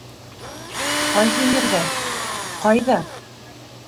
Ҡайһы ерҙә? Ҡайҙа?